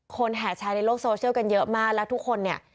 แห่แชร์ในโลกโซเชียลกันเยอะมากแล้วทุกคนเนี่ย